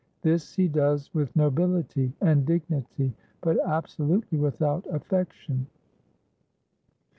This he does with nobility and dignity, but absolutely without affection.